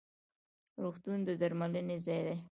روغتون د درملنې ځای دی